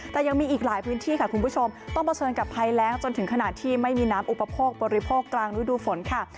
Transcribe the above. แต่ยังมีอีกหลายพื้นที่ค่ะคุณผู้ชมต้องเผชิญกับภัยแรงจนถึงขนาดที่ไม่มีน้ำอุปโภคบริโภคกลางฤดูฝนค่ะ